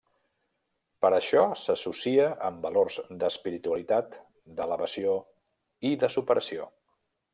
Per això s'associa amb valors d'espiritualitat, d'elevació i de superació.